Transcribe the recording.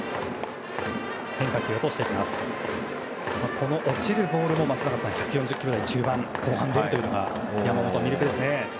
この落ちるボールも松坂さん、１４０キロ台中盤後半出るのが山本の魅力ですね。